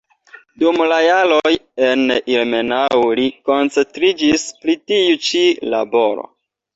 Dum la jaroj en Ilmenau li koncentriĝis pri tiu ĉi laboro.